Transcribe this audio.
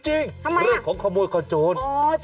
ทำไมล่ะอ๋อถูกต้องเรื่องของขโมยขอจูน